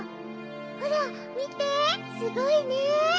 ほらみてすごいね！